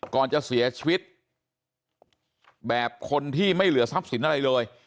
ก่อนจะเสียชีวิตแบบคนที่ไม่เหลือทรัพย์สินอะไรเลย